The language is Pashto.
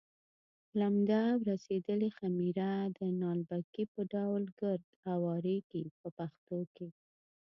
لمده او رسېدلې خمېره د نالبکي په ډول ګرد اوارېږي په پښتو کې.